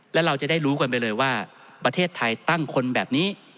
แล้วเราจะได้รู้กันไปเลยว่าประเทศไทยตั้งคนแบบนี้